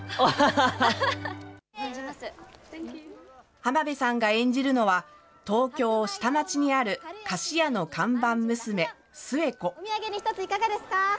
浜辺さんが演じるのは東京下町にある菓子屋の看板娘、寿恵子。